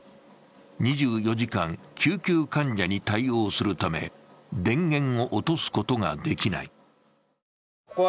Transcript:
２４時間救急患者に対応するため電源を落とすことができない。